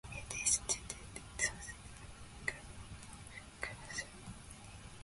It is situated south of Gbomina (Glazoue).